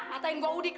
katain gua udik